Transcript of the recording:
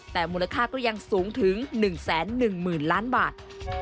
แต่มูลค่าก็ยังสูงถึง๑๑๐๐๐ล้านบาท